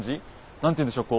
何というんでしょう